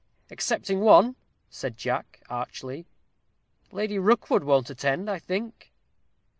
"Excepting one," said Jack, archly. "Lady Rookwood won't attend, I think."